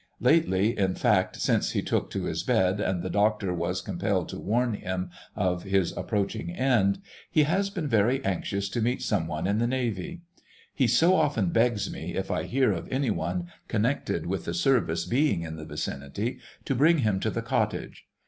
Lately, in fact since he took to his bed and the Doctor was compelled to warn him of his approaching end, he has been very anxious to meet some one in the Navy. He so often begs me, if I hear of any one connected with the Service being in the vicinity, to bring him to the cottage.